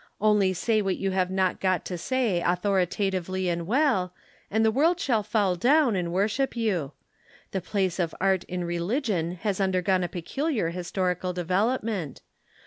Only say what you have not got to say authoritatively and well, and the world shall fall down and worship you. The place of art in religion has undergone a peculiar historical development.